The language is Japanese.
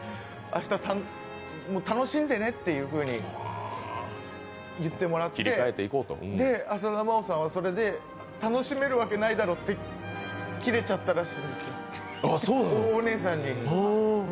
明日、楽しんでねと言ってもらって浅田真央さんはそれで楽しめるわけないだろって切れちゃったらしいんですよ、お姉さんに。